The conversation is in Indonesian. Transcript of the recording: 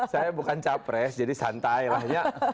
saya bukan capres jadi santai lah ya